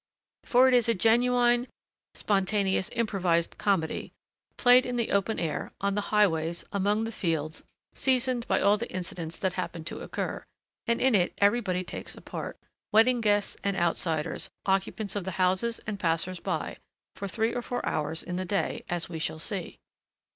For it is a genuine, spontaneous, improvised comedy, played in the open air, on the highways, among the fields, seasoned by all the incidents that happen to occur; and in it everybody takes a part, wedding guests and outsiders, occupants of the houses and passers by, for three or four hours in the day, as we shall see.